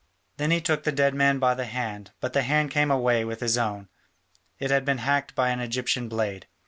Then he took the dead man by the hand, but the hand came away with his own: it had been hacked by an Egyptian blade.